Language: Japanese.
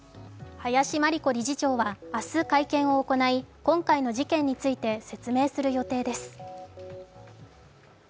林真理子理事長は明日会見を行い、今回の事件について説明する予定です。